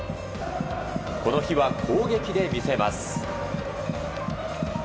この日は攻撃で見せます。